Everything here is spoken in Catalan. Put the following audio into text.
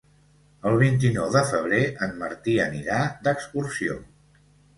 El vint-i-nou de febrer en Martí anirà d'excursió.